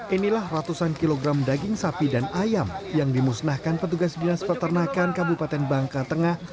inilah ratusan kilogram daging sapi dan ayam yang dimusnahkan petugas dinas peternakan kabupaten bangka tengah